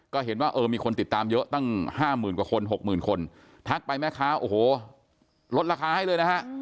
ก็เห็นว่าเออมีคนติดตามเยอะตั้ง๕๐๐๐กว่าคน๖๐๐๐คนทักไปแม่ค้าโอ้โหลดราคาให้เลยนะฮะ